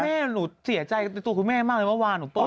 คุณแม่หนูเสียใจแต่ตัวคุณแม่มากเลยว่าวะหนูเปิด